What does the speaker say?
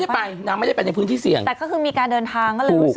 นางไม่ได้ไปนางไม่ได้ไปในพื้นที่เสี่ยงแต่ก็คือมีการเดินทาง